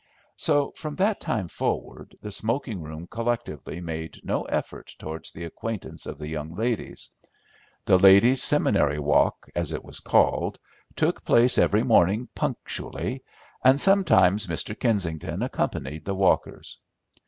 So, from that time forward, the smoking room collectively made no effort towards the acquaintance of the young ladies. The ladies' seminary walk, as it was called, took place every morning punctually, and sometimes Mr. Kensington accompanied the walkers.